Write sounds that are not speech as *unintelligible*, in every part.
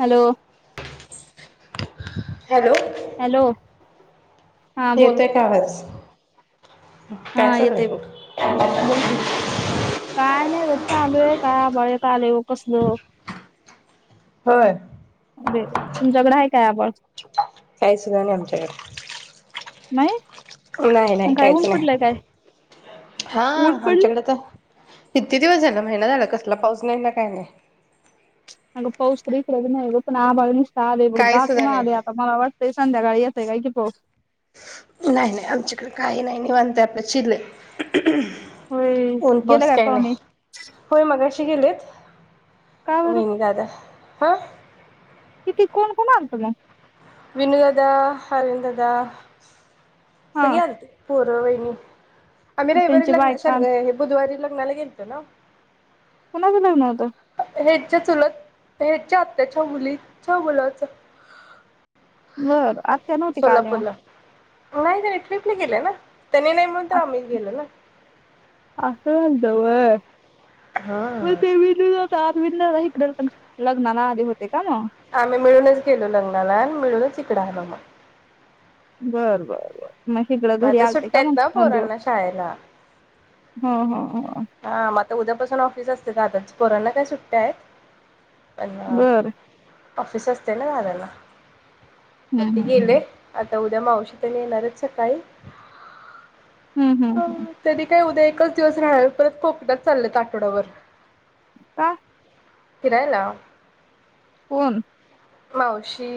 Hello *inaudible* hello hello हा बोल येतोय का आवाज हा काय चाललंय येतय बघ बोलकी काय नाय बघ चालूय का आभाळ एक *unintelligible* कसलं होय तुमच्याकडे आहे काय आबाळ काही सुद्धा नव्हतं नाही नाही मग नाही काय काहीच ऊन पडलंय काय नाही हा ऊन पडलंय आमच्याकडे तर किती दिवस झालं महिना झाला, कसला पाऊस नाही ना काय नाही. अग पाऊस तर इकडबी नाय ग पण आभाळ नुस आता आलंय बघ काही सुद्धा दाटून नाही आलय मला वाटतं ते संध्याकाळी येतंय काय कि पाऊस नाही नाही आमच्याकडे काही नाही निवांताय आपलं चिलय होय ऊन गेले पाऊस काय पाहुणे नाय होय मगाशी ती गेलेत का बरं वाहिनी दादा हा किती कोण कोण आलतं मग? विनू दादा, हरील दादा सगळे हा आणते पोरं, वैनी आम्ही रविवारी त्यांची लग्न, बायका शनगइ बुधवारी लग्न लग्नाला गेलत न्हव कुणाच लग्न होतं? हेंच्या चुलत, हेंच्या आत्याच्या मुलीच्या मुलाचं बर आत्या नव्हत्या का आल्या नई ग, एकटे एकली गेल्या ना? त्यांनी नाही म्हणून तर आम्ही गेलो ना. न्हव. मग हा. काय विणूला ताप तुम्हीं अन दादा हीकडं लग्नाला आले होते का मग? आम्ही मिळूनच गेलो लग्नाला आणि मिळूनच इकडं आलो मग. बर बर बर. म हिकड मग घरी आता आल्ते सुट्ट्या का मग आहेत ना दोन दिवस, पोरांना ह ह. हां मग आता उद्यापासून ऑफिस असतय दादाचं, पोरांना काय सुट्या आहेत. बर *unintelligible* ऑफिस असतय ना दादाला मग हम्म ते हम्म गेले हम्म आता उद्या मावशी तेन येणार आहेत सकाळी हम्म हम्म हम्म. तेनी काय उद्या एकच दिवस राहणार, परत कोकणात चाललेत आठवडाभर. का? फिरायला. कोन? मावशी,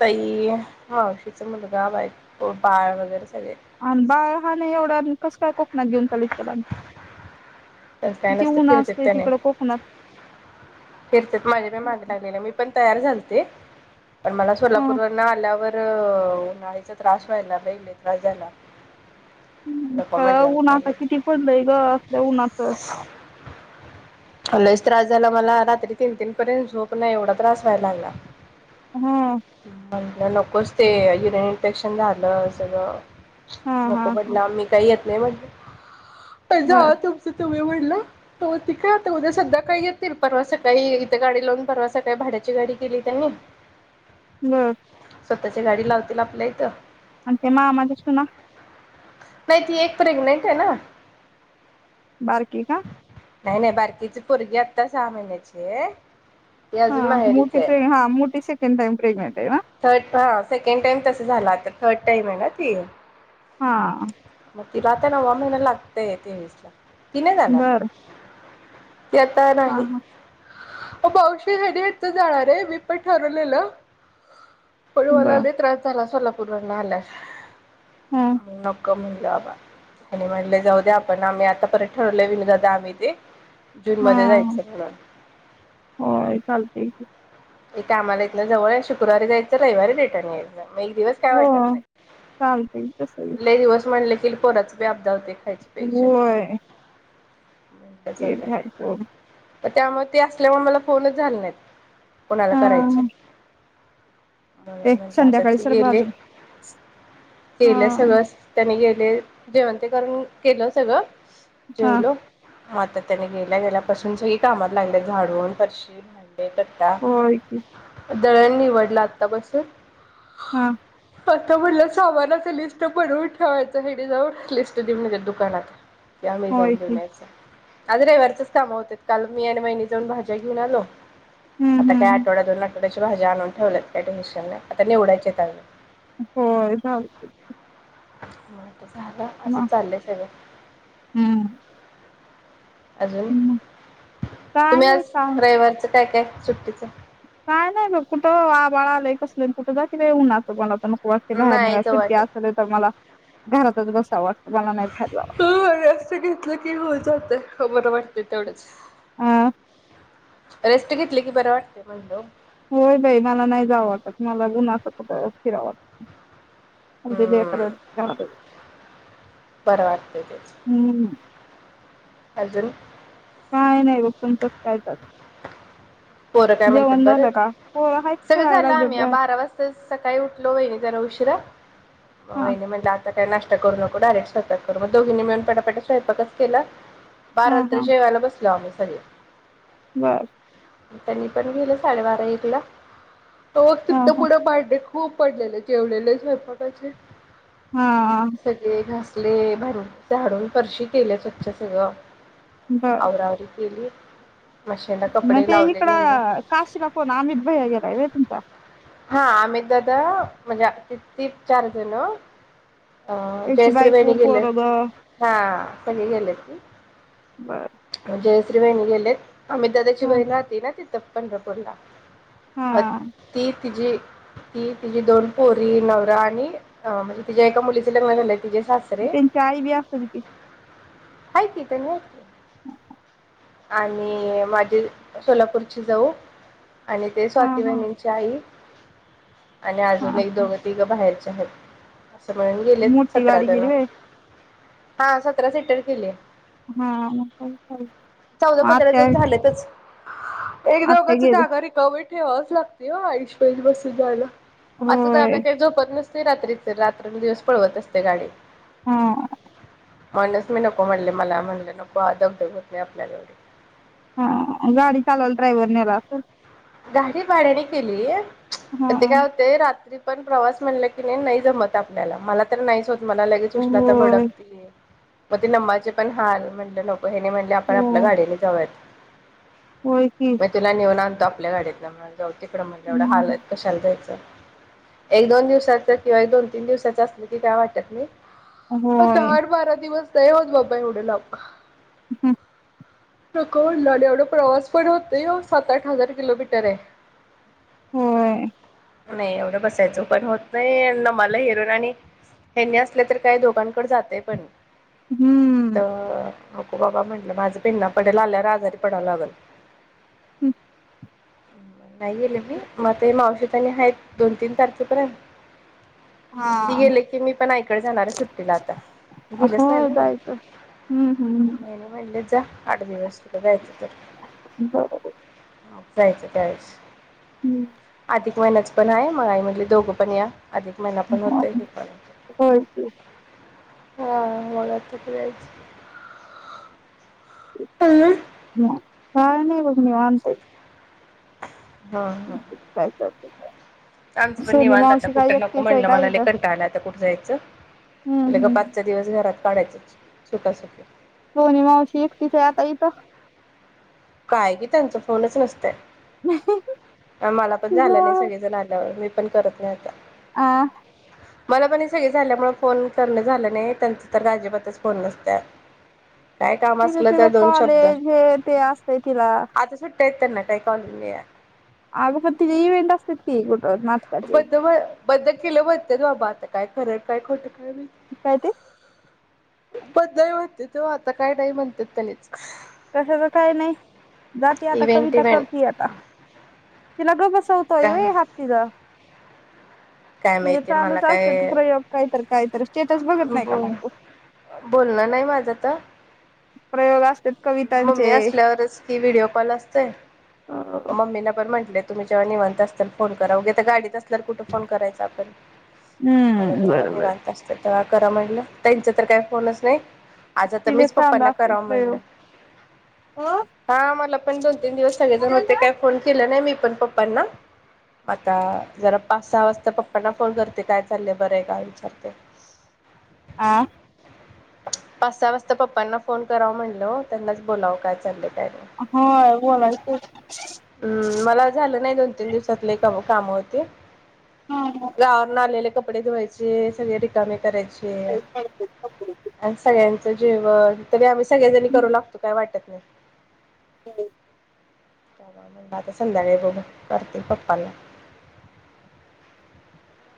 तई, मावशीचा मुलगा, बायको, बाळ वगैरे सगळे. आणि बाळ लहान आहे एवढा, आणि कस काय कोक *unintelligible* तस काय नसतय फिरतेत त्यानी. कोकणात फिरतेत माझ्या पण माग लागलेल्या मी पण तयार झालते. पण मला ह सोलापूर वरन आल्यावर.... तर उन्हाळीचा त्रास व्हायला बई, लई त्रास झाला. हम्म. नको खर म्हटलं मी ऊन नाही आता घेत. किती पडलय ग असल्या उन्ह उन्हाच लईच त्रास झाला मला रात्री तीन तीन पर्यंत झोप नाही एवढा त्रास व्हायला लागला. हम्म म्हणल नकोच ते युरन इन्फेक्शन झाल हा सगळ हा नको हा म्हटलं आम्ही काय येत नाही म्हटलं पर बर जावा तुम मी म्हटल तोवर ती काय आता उद्या संध्याकाळी येतील परवा सकाळी इथ गाडी लावून परवा सकाळी भाड्याची गाडी केली त्यांनी हम् *unintelligible* स्वतःची गाडी लावतील आपल्या इथं आणि ते मामा दिसतो ना नाय ती एक प्रेग्नेंट येन. बार की का नाय नाय बारकीची पोरगी आता सहा महिन्याचीये हा मोठी ताई हा मोठी सेकंड टाइम प्रेग्नेंट आहे ना थर्ड हा सेकंड टाइम तस झाल आता थर्ड टाइम आहे ना ती हा तिला आता नववा महिना लागतय तेवीसला ती नाय जाणार बर येता हा नाही हा म मावशी *unintelligible* इथ जाणारये मी पण ठरवलेल होय मला बर लई त्रास झाला सोलापुरला तु दुरन आलास हा ह नको म्हटलं! बाबा आणि म्हटले जाऊ द्या आपण आम्ही आता परत ठरवले जाऊ दे ना जून मध्ये हा जायचचं पुढं होय चालतंय की ते कामाला इथंन जवळ आहेत शुक्रवारी जायचं रविवारी रिटर्न यायचं. म एक दिवस काय हो वाटत नाय चालतय तसही लय दिवस म्हटलं तीन पोराचं लय अपदा होते खायची प्यायची होय जाऊ तेच द्या घ्यायचं त्यामुळे ते असल्यामुळे मला फोनच झाले नाहीत. कोणाला हा करायचय ए म्ह म्हटलं आता संध्याकाळी ते सरक गेले बाजूला हा केल सगळंच त्यांनी गेल. ते जेवण ते करून केल सगळ हा जेवलो म आता त्याने गेल्या गेल्यापासून सगळी कामात लागलेत झाडू परशी भांडे *unintelligible* होय की दळण निवडला आत्ता बसून हा आता म्हटलं सामानाच लिस्ट बनवून ठेवायचं हयांनी ना लिस्ट देवून येतात दुकानात ते आम्ही होय जाऊन की देवून याच आज रविवारच काम होत्यात काल मी आणि वहिनी जाऊन भाज्या घेऊन आलो हम्म आता हम्म काय हम्म आठवडा दो एकदा ची भाज्या आणून ठेवलंत काय टेंशन नाय आता निवडायच्यात अजून होय *inaudible* ह झालं असं मग चाललंय सगळं हम्म अजून मग काय तुम्ही नाही आज काम रयवारच काय काय सुट्टीचं काय नाही बग, कुठं आभाळ आलय कसलं कुठं जाती बाय उन्हाचं तानाच मग वाटतंय बाहेर निघाय नाहीयचं सुट्टी वाटत. असली तर मला घरातच बसाव वाटतं. मला नाही बाहेर जावं होय असं घेतल की होऊन जातय हा बरोबर ते तेवढंच हा रेस्ट घेतली की बरं वाटतयं म्हणलो. होय बाई मला नाही जाव वाटत मला उन्हाच कुठ फिराव वाटत नाय उद्या हम्म लेकराच चालू बरं वाटतंय तेच. हूं हूं अजून काय नाही ग *unintelligible* काय चालू पोरं काय म्हणतात बरंच पोरं आहेत सगळं खेळायला झालं, लागलेत आम्ही बाहेर बारा वाजता सकाळी उठलो वहिनी जरा उशिरा मग हा वहिनी म्हनत्यात. आता काय नाष्टा करू नको डायरेक्ट स्वयंपाक कर मग दोघीनी मिळून पटापटा स्वयंपाकच केला हा बाराला तर हा जेवायला बसलो आम्ही *inaudible* बर त्यांनी पण गेले साडेबारा एक ला *unintelligible* हा तित पुढे भांडे खूप पडलेले जेवलेले स्वयंपाकाचे हा ले बाहेरून झाडून फरशी केल्या स्वच्छ सगळं बर आवरा आवरी केली. मशीनला कपडे लावले. निम्मे. तिकडं काशीला कोण अमित भैय्या गेलाय होय तुमचा? हा अमित दादा म्हणजे त-ती चार जण अ त्याची जयश्री वहिनी बायको गेलेत पोरग हा. सगळी गेलेती. बर म्हणजे त्रिवेणी गेलेत. अमित दादा ची हा बहिण राहते ना ति चल पंढरपूरला. हा भक्तीत तिची ती, तिची दोन पोरी, नवरा आणि अ म्हणजे तिच्या एका मुलीच लग्न व्हाय आलंय. त्यांची आई बी असल की, हाय की त्यांनी हाईत की, हम ह आणि माझी सोलापूरची जाऊ आणि ते हा स्वाती हा बहिणींची आई आणि हा अजून एक हा दोघं तिघं बाहेर चाय देऊ का सगळे *unintelligible* गेलेत मोठी सतरा गाडी जण गेली व्हय हा सतरा सीटर केलीय हा काय चालू? चौदा पंधरा आत्या जण झालेतच एक आत्या दोघाच गेले जागा रिकामीत ठेवावच लागते ओ आईसपैस बसून जायला. आता दादा होय काय झोपत नस ते रात्रीच र रात्रंदिवस पळवत असते गाडी हा म्हणूनच मी नको म्हणले मला म्हणलं नको वा दगदग होते आपल्याला एवढी हा गाडी चालवायला ड्रायव्हर नेला असल गाडी भाड्याने केलीय हा पण ते काय होतय रात्री पण प्रवास म्हणलं की नाय नाही जमत आपल्याला मला तर नाहीच होत मला लगेच उष्णता होय भडकती पण ते नमाचे पण हाल म्हणलं न हेनी म्हणटले आपण हो आपल्या गाडीने जाऊयात. होय की मी तीला नेऊन आण आपल्या गाडीतला *unintelligible* जाऊ तिकडं म्हणलं, एवढं हम्म हालत कशाले जायच? एक-दोन दिवसाचं किंवा एक, दोन-तीन दिवसाचं असलं की काय वाटत नाही. अं होय दहा आठ बारा दिवस *unintelligible* होत बाबा एवढ्या लांब *unintelligible* नको म्हणलं आणि एवढा प्रवास पण होत नाही ओ सात-आठ हजार किलोमीटरेय होय नाय एवढं बसायचं पण होत नाहीये न मला *unintelligible* हेन्नी असलं तर काय दोघांकडं जातंय पण *inaudible* त हम्म नको बाबा म्हणलं माझं पेंढा पडेल, आल्यावर आजारी पडावं लागंल नाय गेले मी मग ते मावशी त्यानी हायेत दोन-तीन तारखेपर्यंत हा ती गेले की मी पण ऐक ते जाणारच सुट्टीला आता गेलेच नाय होय न्हवं जायचं हम्म हम्म हेनी म्हणलेत जा आठ दिवस तुला जायचं बर तर. जायचं त्यावेळेस हम्म अधिक महिन्याचं पण हाय मग आई म्हणली दोघं पण या अधिक महिना पण होतंय, हे पण होय की होतंय हां मन थकलयंच काय नाय बघ निवांत आहे हा हा काय चालतंय का? आमचं पण निवांत आता कुठं नको म्हणलं काय मला लई इथं कंटाळ आलाय आता कुठं जायचं? हम्म लगा हम्म पाच दिवस घरात काढायचंच सुखा सुख मोहनी मावशी एकटीच आहे आता इथं. काय की त्यांचं फोनंच नसतंय. आम्हाला पण तिला झालं नाय सगळेजण आल्यावर मी पण करत नाही आता आ मला पण हे सगळे झाल्यामुळे फोन करणं झालं नाही त्यांच तर आजिबातच फोन नसत्या तिथ तिथ कॉलेज हे ते अस ये तिर्रा ते त्यांना काय कॉल मिया अगं पण तिचे इव्हेंट असतात की कुठं नाटकाचे बंद बंद केलं म्हणत्यात बाबा त काय खरं काय खोटं काय माहित काय ते पण नही म्हणते तो आता काय नाही म्हणतात त्यालेच कशाच काय नाही जाते आता इव्हेंट कविता इव्हेंट करतीय आता तिला गब बस चवतोय काय वे हात तिचा काय तिचे माहिती मला चालूच असतात काय प्रयोग काहीतर काहीतर स्टेटस बघत ब नाही का मग तू बोलणं नाही माझं त प्रयोग असत्यात मम्मी असल्यावरच कि व्हिडिओ कॉल् असतंय. हम्म मम्मीला बरं नाही. म्हटले तुम्ही जेव्हा निवांत असताल फोन् करा उगे गाडीत असता तर कुठं फोन करायचा आपण तुम्हाला जेव्हा बरोबर निवांत असताल हा करा म्हटलं ताईंचा तर काय फोनच नाही. आज आता तिचे मीच चालू पप्पांना असतील कराव म्हणलं प्रयोग हा मला पण दोन तीन दिवस सगळेजण होते. फोन केला नाही मी पण पप्पांना आता जरा पाच सहा वाजता पप्पांना फोन करते काय चाललंय बर आहे का विचारते. आ पाच सहा वाजता पप्पांना फोन कराव म्हणल त्यांनाच बोलावं काय चाललय हा व्हय बोलायचं होत नाही. हम्म मला झालं नाही दोन तीन दिवसात लय का काम होती. गावावरन आलेले कपडे धुवायचे सगळे रिकामे करायचीय् सगळ्यांचं जेवण तरी आम्ही सगळ सगळ्याजणी करू लागतो काय वाटत नाय *inaudible* *unintelligible* मग् म्हंटल आता संध्याकाळी बघू करते पप्पाना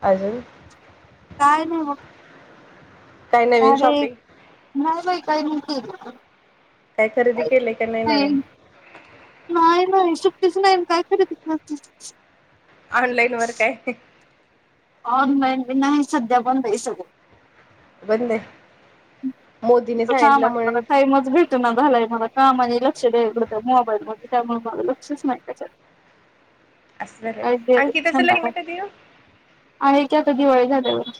अजून काय नव्ह! काय नवीन अरे शॉपिंग नाही बाई काही मी केले काय खरेदी केलंय का नाही नवीन नाही नाही सुट्टीच नाही काय आणि खरेदी करतीस ऑनलाईन वर काय ऑनलाईन बी नाही सध्या पण पैसे *unintelligible* बंद आहे मोदीने इथं सांगितलं कामाने मला म्हणून टाइमच भेटना झालाय मला कामानी *unintelligible* मोबाईल मध्ये त्यामुळे माझ लक्षच नाही त्याच्याकड असं झालंय. आई गेली अंकिताचं शान टाकाय लग्न कधी ओ? आहे की आता दिवाळी झाल्यावर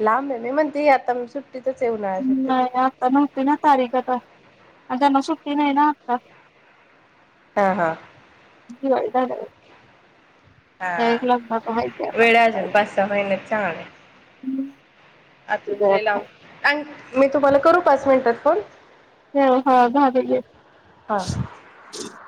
लांब आहे मी म्हणते आता सुट नाही आता नव्हती ना तारीख त्यांना आता सुट्टी नाही ना आता हा हा दिवाळी झाल्यावर त्या हा एक लग्नात आहे की आता वेळ अजून पाच सहा महिनेच चांगलं आहे अजून लई लांब *unintelligible* मी तुम्हाला करू पाच मिनिटात फोन ह हा हा *unintelligible*